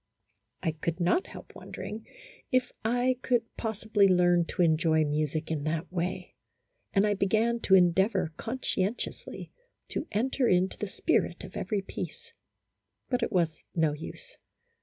I could not help wondering if I could possibly learn to enjoy music in that way, and I began to endeavor conscientiously to enter into the spirit of every piece, but it was no use.